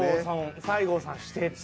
西郷さんしてて。